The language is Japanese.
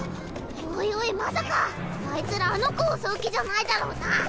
おいおいまさかあいつらあの子を襲う気じゃないだろうな。